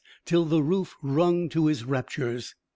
till the roof rung to his raptures.